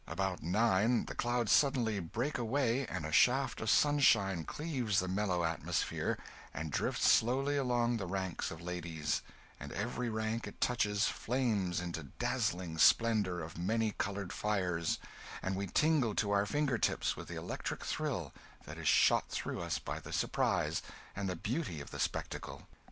About nine, the clouds suddenly break away and a shaft of sunshine cleaves the mellow atmosphere, and drifts slowly along the ranks of ladies; and every rank it touches flames into a dazzling splendour of many coloured fires, and we tingle to our finger tips with the electric thrill that is shot through us by the surprise and the beauty of the spectacle!